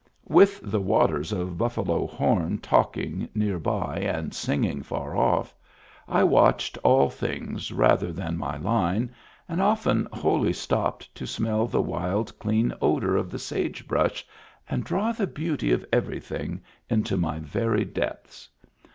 With the waters of Buffalo Horn talking near by and singing far off, I watched all things rather than my line and often wholly stopped to smell the wild, clean odor of the sage brush and draw the beauty of everything into my very depths.